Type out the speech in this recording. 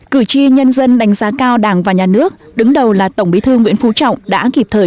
cử tri nhân dân đánh giá cao đảng và nhà nước đứng đầu là tổng bí thư nguyễn phú trọng đã kịp thời